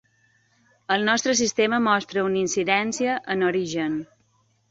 El nostre sistema mostra una incidència en origen.